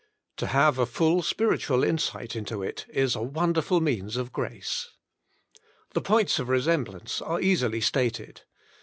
To have a full spiritual insight into it is a wonderful means of grace. The points of resemblance are easily stated.